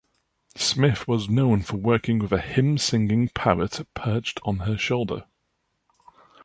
Smith was known for working with a hymn-singing parrot perched on her shoulder.